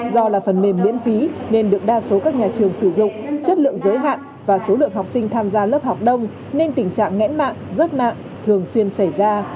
do là phần mềm miễn phí nên được đa số các nhà trường sử dụng chất lượng giới hạn và số lượng học sinh tham gia lớp học đông nên tình trạng nghẽn mạng rớt mạng thường xuyên xảy ra